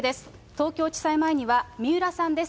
東京地裁前には三浦さんです。